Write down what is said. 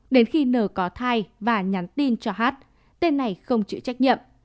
đến khi n có thai và nhắn tin cho hát tên này không chịu trách nhiệm